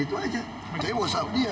itu aja saya whatsapp dia